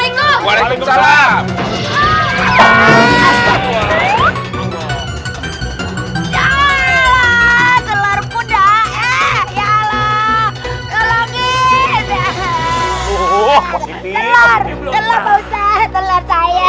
ya allah telor kuda ya allah tolongin telor telor saya telor